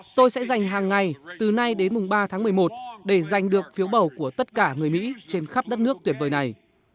tôi sẽ dành hàng ngày từ nay đến mùng ba tháng một mươi một để giành được phiếu bầu của tất cả người mỹ trên khắp đất nước tuyệt vời này